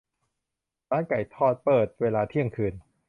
ร้านไก่ทอดเปิดเวลาเที่ยงคืน